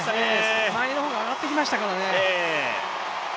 前の方が上がってきましたからね。